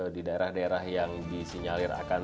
di daerah daerah yang disinyalir akan